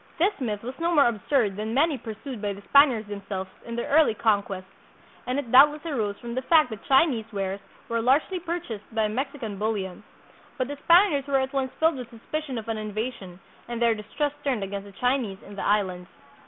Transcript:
183 This myth was no more absurd than many pursued by the Spaniards themselves in their early conquests, and it doubtless arose from the fact that Chinese wares were largely purchased by Mexican bullion; but the Spaniards were at once filled with suspicion of an invasion, and their distrust turned against the Chinese in the Islands.